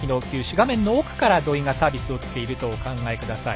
画面奥から土居がサービスを打っているとお考えください。